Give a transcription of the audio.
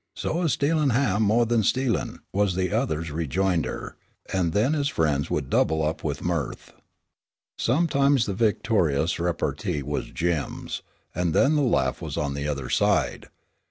"So is stealin' ham mo' than stealin'," was the other's rejoinder, and then his friends would double up with mirth. Sometimes the victorious repartee was Jim's, and then the laugh was on the other side.